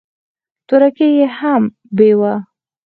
تورکى يې هم بېوه.